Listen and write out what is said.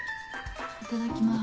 いただきます。